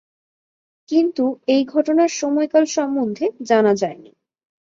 কিন্তু এই ঘটনার সময়কাল সম্বন্ধে জানা যায়নি।